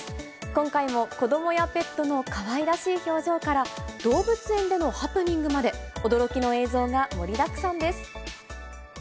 今回も子どもやペットのかわいらしい表情から、動物園でのハプニングまで、驚きの映像が盛りだくさんです。